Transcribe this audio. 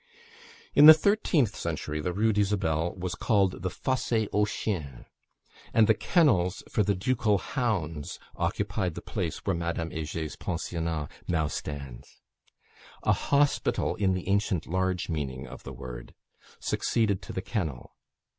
In the thirteenth century, the Rue d'Isabelle was called the Fosse aux Chiens; and the kennels for the ducal hounds occupied the place where Madame Heger's pensionnat now stands. A hospital (in the ancient large meaning of the word) succeeded to the kennel.